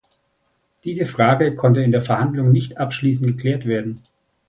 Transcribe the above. Diese Frage konnte in der Verhandlung nicht abschließend geklärt werden.